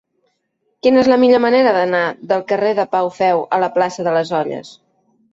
Quina és la millor manera d'anar del carrer de Pau Feu a la plaça de les Olles?